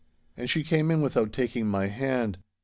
And she came in without taking my hand.